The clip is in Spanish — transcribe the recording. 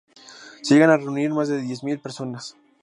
Se llegan a reunir más de diez mil personas.